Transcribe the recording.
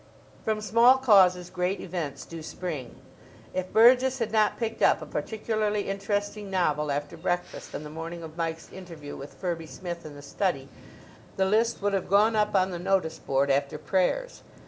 From small causes great events do spring. If Burgess had not picked up a particularly interesting novel after breakfast on the morning of Mike's interview with Firby Smith in the study, the list would have gone up on the notice board after prayers.